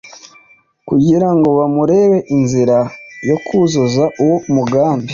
kugira ngo bamurebere inzira yo kuzuzuza uwo mugambi